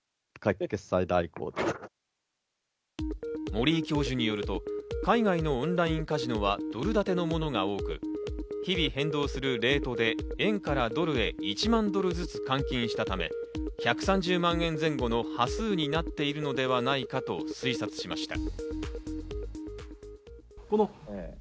森井教授によると、海外のオンラインカジノはドル建てのものが多く、日々変動するレートで円からドルへ１万ドルずつ換金したため、１３０万円前後の端数になっているのではないかと推察しました。